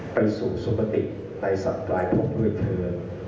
ไปสู่สุปติฯในสัตว์กลายพวกเพื่อนเธอ